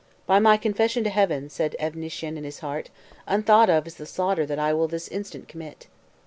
"By my confession to Heaven," said Evnissyen in his heart, "unthought of is the slaughter that I will this instant commit."